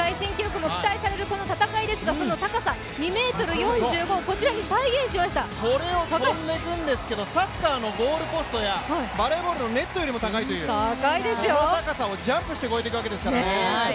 この戦いですがこの戦いですが、その高さ２ｍ４５これを跳んでくんですけどサッカーのゴールポストやバレーボールのネットよりも高いという、この高さをジャンプして越えていくわけですからね。